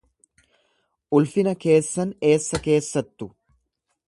Ulfina keessan eessa keessattu?